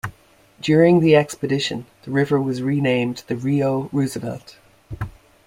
During the expedition, the river was renamed the Rio Roosevelt.